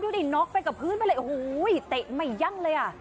ดิน็อกไปกับพื้นไปเลยโอ้โหเตะไม่ยั่งเลยอ่ะ